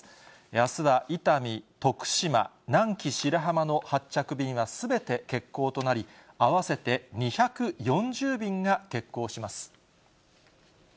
あすは伊丹、徳島、南紀白浜の発着便はすべて欠航となり、合わせて２４０便が欠航します。